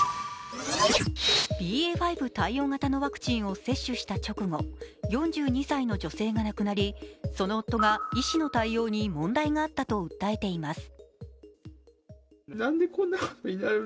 ＢＡ．５対応型のワクチンを接種した直後、４２歳の女性が亡くなり、その夫が医師の対応に問題があったと訴えています。